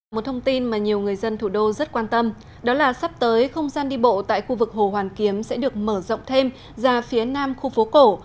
một thông tin mà nhiều người dân thủ đô rất quan tâm đó là sắp tới không gian đi bộ tại khu vực hồ hoàn kiếm sẽ được mở rộng thêm ra phía nam khu phố cổ